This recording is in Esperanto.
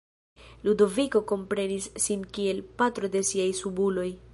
Ludoviko komprenis sin kiel "patro de siaj subuloj".